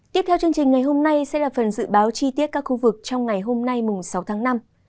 tiếp theo chương trình ngày hôm nay sẽ là phần dự báo chi tiết các khu vực trong ngày hôm nay sáu tháng năm